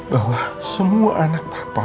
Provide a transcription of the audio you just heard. bahwa semua anak papa